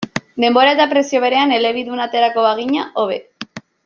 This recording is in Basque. Denbora eta prezio berean elebidun aterako bagina, hobe.